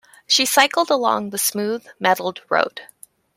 She cycled along the smooth, metalled road